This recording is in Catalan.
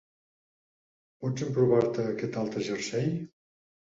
Pots emprovar-te aquest altre jersei?